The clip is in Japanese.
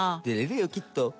出れるよきっと。